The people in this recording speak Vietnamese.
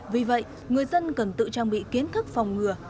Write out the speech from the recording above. vì vậy người dân cần tự trang bị kiến thức phòng ngừa